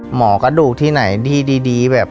หมอกระดูกที่ไหนที่ดีแบบ